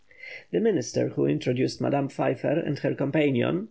The minister who introduced Madame Pfeiffer and her companion M.